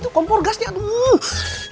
kompor gasnya tuh